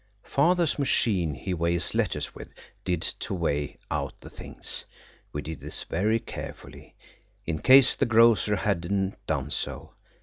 Father's machine he weighs letters with did to weigh out the things. We did this very carefully, in case the grocer had not done so.